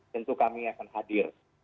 tentu kami akan hadir